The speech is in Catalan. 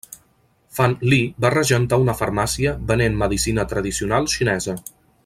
Fan Li va regentar una farmàcia venent medecina tradicional xinesa.